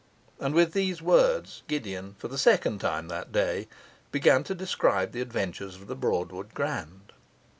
And with these words, Gideon, for the second time that day, began to describe the adventures of the Broadwood Grand.